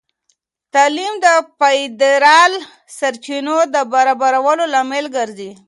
تعلیم د فیدرال سرچینو د برابرولو لامل ګرځي.